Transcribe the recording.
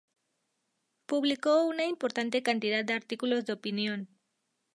Publicó una importante cantidad de artículos de opinión.